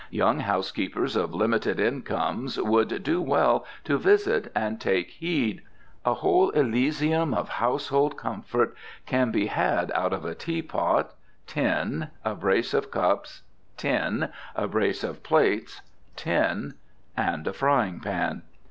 Young housekeepers of limited incomes would do well to visit and take heed. A whole elysium of household comfort can be had out of a teapot, tin; a brace of cups, tin; a brace of plates, tin; and a frying pan.